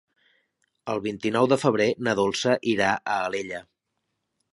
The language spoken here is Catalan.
El vint-i-nou de febrer na Dolça irà a Alella.